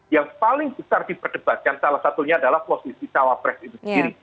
yang paling besar diperdebatkan salah satunya adalah posisi cawapres itu sendiri